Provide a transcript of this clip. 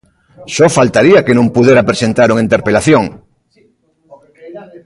¡Só faltaría que non puidera presentar unha interpelación!